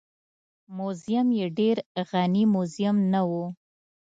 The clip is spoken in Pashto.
موزیم یې ډېر غني موزیم نه و.